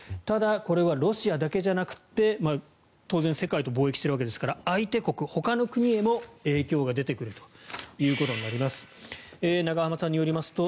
ただ、これはロシアだけじゃなくて当然、世界と貿易しているわけですから相手国ほかの国へも、影響が出てくるということになります。